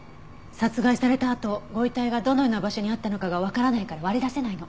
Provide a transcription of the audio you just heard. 殺害されたあとご遺体がどのような場所にあったのかがわからないから割り出せないの。